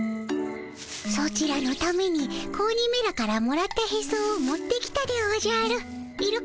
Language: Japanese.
ソチらのために子鬼めらからもらったヘソを持ってきたでおじゃる。